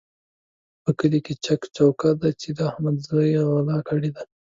په کلي کې چک چوکه ده چې د احمد زوی غلا کړې ده.